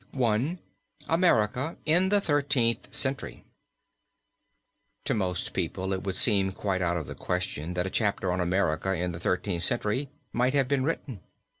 I. AMERICA IN THE THIRTEENTH CENTURY. To most people it would seem quite out of the question that a chapter on America in the Thirteenth Century might have been written.